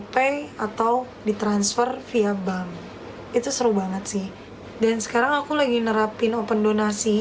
pay atau ditransfer via bank itu seru banget sih dan sekarang aku lagi nerapin open donasi